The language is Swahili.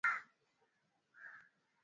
Rudi toka juu.